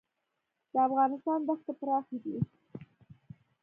د افغانستان دښتې پراخې دي